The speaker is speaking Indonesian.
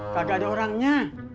kagak ada orangnya